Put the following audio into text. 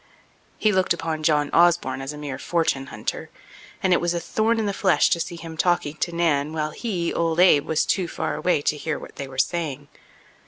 He looked upon John Osborne as a mere fortune hunter, and it was a thorn in the flesh to see him talking to Nan while he, old Abe, was too far away to hear what they were saying.